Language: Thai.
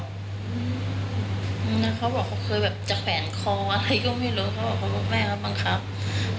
เขาบอกเขาเคยแบบจะแผ่นคออะไรก็ไม่รู้